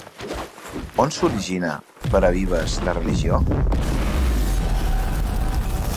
On s'origina per a Vives la religió?